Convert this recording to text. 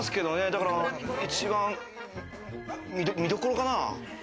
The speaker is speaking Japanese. だから一番、見どころかなぁ。